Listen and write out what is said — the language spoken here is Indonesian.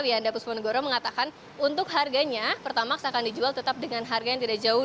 wian dapus ponegoro mengatakan untuk harganya pertamaks akan dijual tetap dengan harga yang tidak jauh